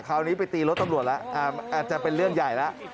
คราวนี้ไปตีรถตำรวจแล้วอาจจะเป็นเรื่องใหญ่แล้ว